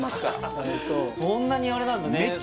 そんなにあれなんだね